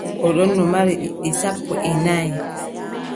O ɗonno mari ɓiɓɓe sappo e nay.